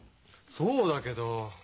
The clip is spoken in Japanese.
そうだけど。